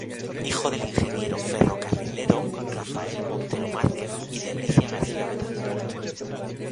Hijo del ingeniero ferrocarrilero Rafael Montero Márquez y de Alicia García Betancourt.